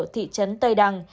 thị trấn tây đằng